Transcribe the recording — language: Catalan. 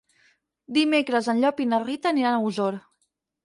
Dimecres en Llop i na Rita aniran a Osor.